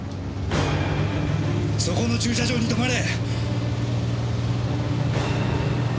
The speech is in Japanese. そこの駐車場に止まれ！